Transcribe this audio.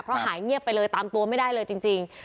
เพราะหายเงียบไปเลยตามตัวไม่ได้เลยจริง